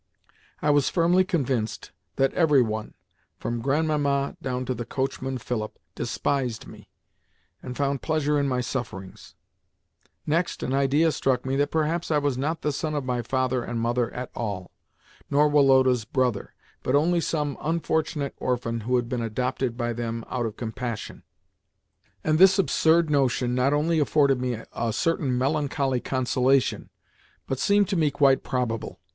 I was firmly convinced that every one, from Grandmamma down to the coachman Philip, despised me, and found pleasure in my sufferings. Next an idea struck me that perhaps I was not the son of my father and mother at all, nor Woloda's brother, but only some unfortunate orphan who had been adopted by them out of compassion, and this absurd notion not only afforded me a certain melancholy consolation, but seemed to me quite probable.